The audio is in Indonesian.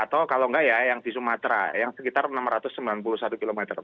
atau kalau enggak ya yang di sumatera yang sekitar enam ratus sembilan puluh satu km